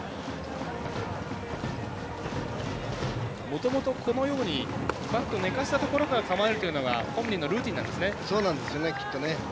もともとバットを寝かせたところから構えるというのが本人のルーティンなんですね。